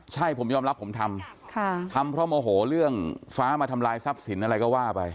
ใช่ผมยอมรับผมทำทำเพราะโมโหเรื่องฟ้ามาทำลายทรัพย์สินอะไรก็ว่าไป